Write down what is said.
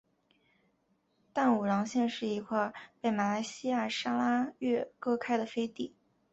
淡武廊县是一块被马来西亚砂拉越割开的飞地。